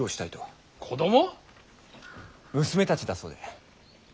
娘たちだそうで。